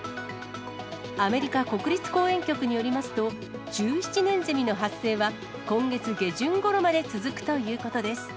アメリカ国立公園局によりますと、１７年ゼミの発生は今月下旬ごろまで続くということです。